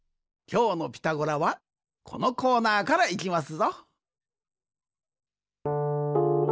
きょうの「ピタゴラ」はこのコーナーからいきますぞ。